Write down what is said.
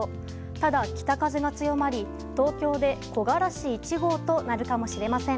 ただ北風が強まり東京で木枯らし１号となるかもしれません。